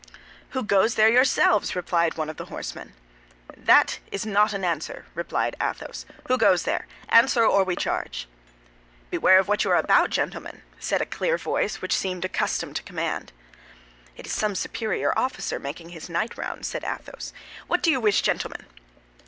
"Who goes there, yourselves?" replied one of the horsemen. "That is not an answer," replied Athos. "Who goes there? Answer, or we charge." "Beware of what you are about, gentlemen!" said a clear voice which seemed accustomed to command. "It is some superior officer making his night rounds," said Athos. "What do you wish, gentlemen?"